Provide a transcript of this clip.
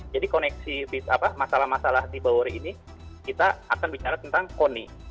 jadi koneksi masalah masalah di bauri ini kita akan bicara tentang koni